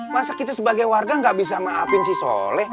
masa kita sebagai warga gak bisa maafin si sola